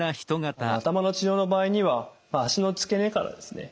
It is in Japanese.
頭の治療の場合には脚の付け根からですね